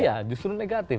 iya justru negatif